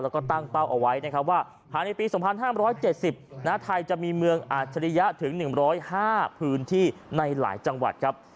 แล้วก็ตั้งเป้าเอาไว้นะครับว่าภายในปี๒๕๗๐ไทยจะมีเมืองอาจริยะถึง๑๐๕พื้นที่ในหลายจังหวัดครับ